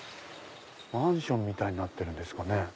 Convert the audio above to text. マンションみたいになってるんですかね？